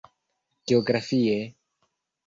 Geografie: